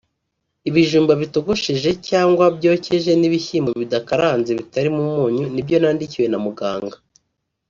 ibijumba bitogosheje cyangwa byokeje n’ibishyimbo bidakaranze bitarimo umunyu nibyo nandikiwe na muganga